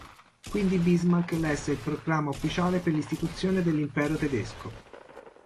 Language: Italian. Quindi Bismarck lesse il proclama ufficiale per l'istituzione dell'Impero tedesco.